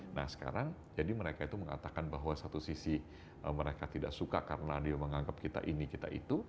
nah sekarang jadi mereka itu mengatakan bahwa satu sisi mereka tidak suka karena dia menganggap kita ini kita itu